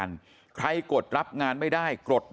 มันต้องการมาหาเรื่องมันจะมาแทงนะ